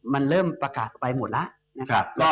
มันเริ่มประกาศไปหมดแล้ว